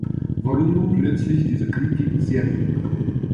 Warum nun plötzlich dieser Krieg gegen Serbien?